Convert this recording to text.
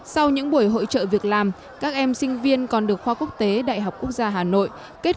sau những buổi hỗ trợ việc làm các em sinh viên còn được khoa quốc tế đại học quốc gia hà nội kết